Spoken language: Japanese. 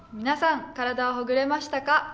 皆さん、体はほぐれましたか？